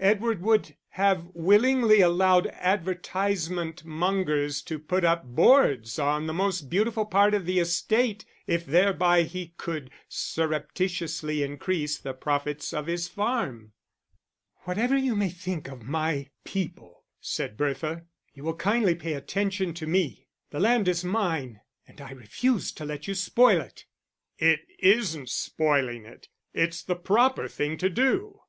Edward would have willingly allowed advertisement mongers to put up boards on the most beautiful part of the estate, if thereby he could surreptitiously increase the profits of his farm. "Whatever you may think of my people," said Bertha, "you will kindly pay attention to me. The land is mine, and I refuse to let you spoil it." "It isn't spoiling it. It's the proper thing to do.